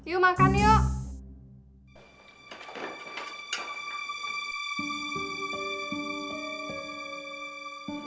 yuk makan yuk